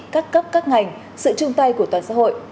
các cấp các ngành sự chung tay của toàn xã hội